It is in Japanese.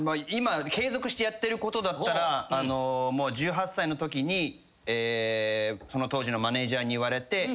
今継続してやってることだったら１８歳のときにその当時のマネジャーに言われて。